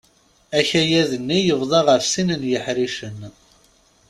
Akayad-nni yebḍa ɣef sin n yiḥricen.